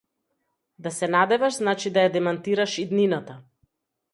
Да се надеваш значи да ја демантираш иднината.